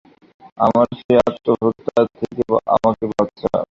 আমার সেই আত্মহত্যা থেকে আমাকে বাঁচাও।